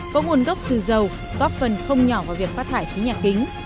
có nguồn gốc từ dầu góp phần không nhỏ vào việc phát thải khí nhà kính